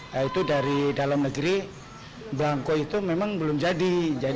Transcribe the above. yaitu dari dalam negeri blanko itu memang belum jadi